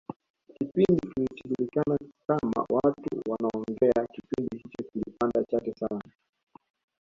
kipindi kilichojulikana kama watu wanaongea kipindi hicho kilipanda chati sana